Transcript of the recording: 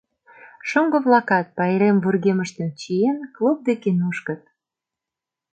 Шоҥго-влакат, пайрем вургемыштым чиен, клуб деке нушкыт.